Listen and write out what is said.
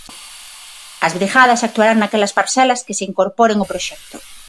As brigadas actuarán naquelas parcelas que se incorporen ao proxecto.